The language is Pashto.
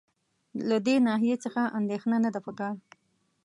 له دې ناحیې څخه اندېښنه نه ده په کار.